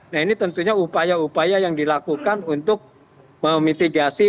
nah ini tentunya upaya upaya yang dilakukan untuk memitigasi